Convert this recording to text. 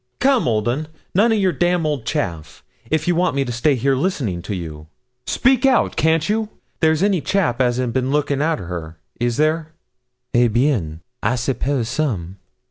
'Come, old 'un, none of your d old chaff, if you want me to stay here listening to you. Speak out, can't you? There's any chap as has bin a lookin' arter her is there?' 'Eh bien! I suppose some.'